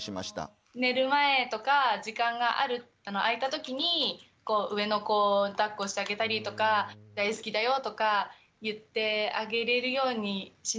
寝る前とか時間が空いたときに上の子をだっこしてあげたりとか大好きだよとか言ってあげれるようにしないとなって思いました。